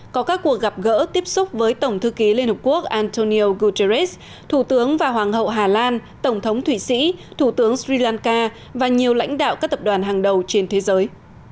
có các cuộc gặp gỡ tiếp xúc với tổng thư ký liên hợp quốc antonio guterres thủ tướng và hoàng hậu hà lan tổng thống thụy sĩ thủ tướng sri lanka và nhiều lãnh đạo các tập đoàn hàng đầu trên thế giới